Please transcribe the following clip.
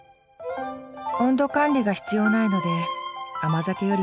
温度管理が必要ないので甘酒よりも簡単ですよ